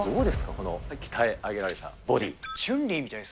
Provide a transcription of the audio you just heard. この鍛え上げられたボディー。